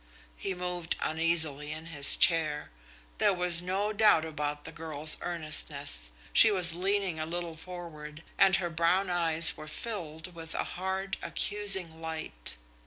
He moved uneasily in his chair. There was no doubt about the girl's earnestness. She was leaning a little forward, and her brown eyes were filled with a hard, accusing light.